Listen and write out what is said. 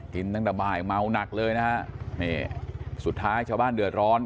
ตั้งแต่บ่ายเมาหนักเลยนะฮะนี่สุดท้ายชาวบ้านเดือดร้อน